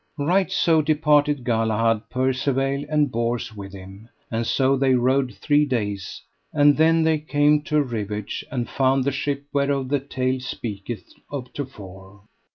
Right so departed Galahad, Percivale and Bors with him; and so they rode three days, and then they came to a rivage, and found the ship whereof the tale speaketh of to fore.